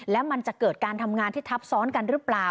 และมันจะเกิดการทำงานที่ทับซ้อนกันหรือเปล่า